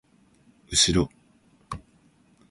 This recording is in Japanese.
うしろ！